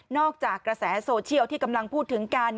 อกจากกระแสโซเชียลที่กำลังพูดถึงกัน